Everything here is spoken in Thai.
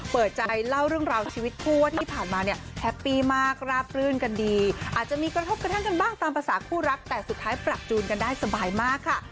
เปิดใจเล่าเรื่องราวชีวิตคู่ว่าที่ผ่านมาเนี่ยแฮปปี้มากราบรื่นกันดีอาจจะมีกระทบกระทั่งกันบ้างตามภาษาคู่รักแต่สุดท้ายปรับจูนกันได้สบายมากค่ะ